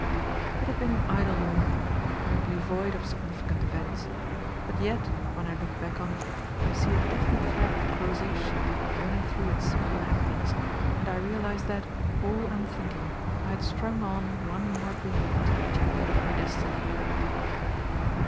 It had been an idle morning and apparently void of significant events; but yet, when I look back on it, I see a definite thread of causation running through its simple happenings, and I realize that, all unthinking, I had strung on one more bead to the chaplet of my destiny.